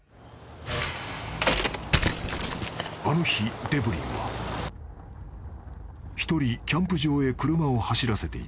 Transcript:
［あの日デブリンは１人キャンプ場へ車を走らせていた］